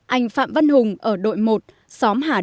anh phạm văn hùng ở đội một xóm hà đông